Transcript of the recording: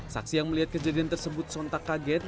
saksi yang melihat kejadian tersebut sontak kaget